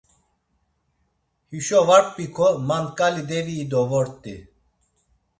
Hişo var p̆ik̆o ma nk̆ali devii do vort̆i.